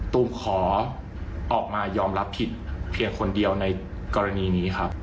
ตูมขอออกมายอมรับผิดเพียงคนเดียวในกรณีนี้ครับ